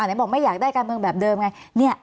อ่ะเดี๋ยวบอกไม่อยากได้การเมืองแบบเดิมไงเนี่ย